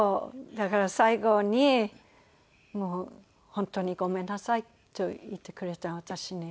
だから最後にもう「本当にごめんなさい」と言ってくれた私に。